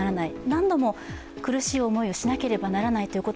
何度も苦しい思いをしなければなりません。